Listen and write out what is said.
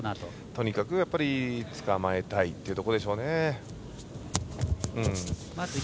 とにかくつかまえたいところでしょうね。